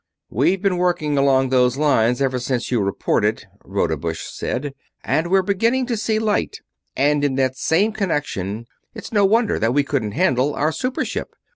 "We've been working along those lines ever since you reported," Rodebush said, "and we're beginning to see light. And in that same connection it's no wonder that we couldn't handle our super ship.